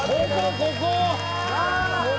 「ここ！